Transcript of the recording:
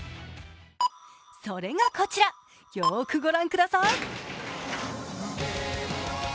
それがこちらよーく御覧ください。